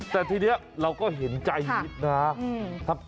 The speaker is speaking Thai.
แต่ทีนี้เราก็เห็นใจวิทย์นะคะ